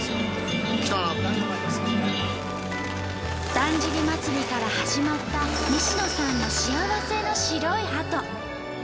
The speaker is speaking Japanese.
だんじり祭から始まった西野さんの幸せの白いハト。